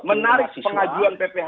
menarik pengajuan pphn